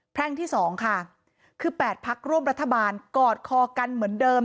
แพร่งที่๒ค่ะคือ๘พักร่วมรัฐบาลกอดคอกันเหมือนเดิม